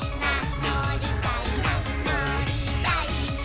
「のりたいなのりたいな」